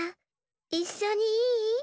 いっしょにいい？